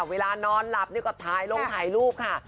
เวลานอนหลับนี่ก็ถ่ายลงถ่ายรูปค่ะ